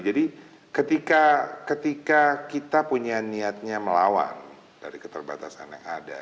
jadi ketika kita punya niatnya melawan dari keterbatasan yang ada